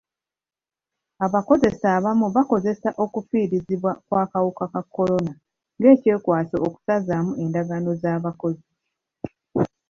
Abakozesa abamu bakozesa okufiirizibwa kw'akawuka ka kolona nga ekyekwaso okusazaamu endagaano z'abakozi.